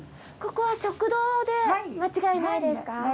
ここは食堂で間違いないですか？